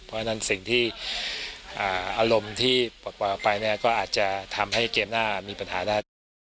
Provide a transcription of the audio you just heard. เพราะฉะนั้นสิ่งที่อารมณ์ที่ปอกไปเนี่ยก็อาจจะทำให้เกมหน้ามีปัญหาได้